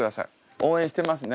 応援してますね